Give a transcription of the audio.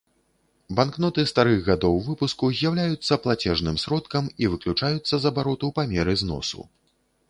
Банкноты старых гадоў выпуску з'яўляюцца плацежным сродкам і выключаюцца з абароту па меры зносу.